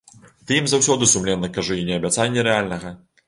Ты ім заўсёды сумленна кажы і не абяцай нерэальнага.